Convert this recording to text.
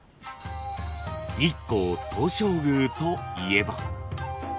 ［日光東照宮といえば］